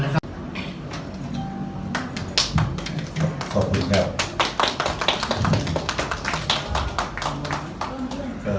ขอบคุณครับ